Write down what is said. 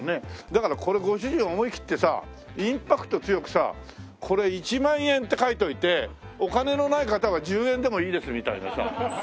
だからこれご主人思い切ってさインパクト強くさこれ「１万円」って書いておいて「お金のない方は１０円でもいいです」みたいなさ。